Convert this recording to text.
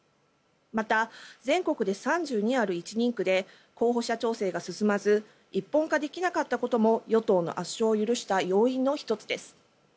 また、全国で３２ある１人区で候補者調整が進まず一本化できなかったことも与党の圧勝を許した要因の１つです。